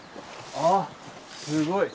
あっすごい。